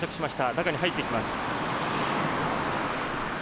中に入っていきます。